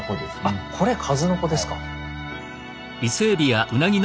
あっこれかずのこですか。